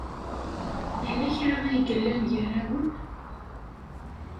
Yella kra ay yellan gar-awen?